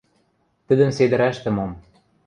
– Тӹдӹм седӹрӓштӹ мом...